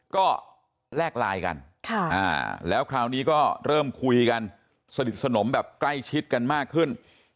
ก็แลกไลน์กันแล้วคราวนี้ก็เริ่มคุยกันสนิทสนมแบบใกล้ชิดกันมากขึ้น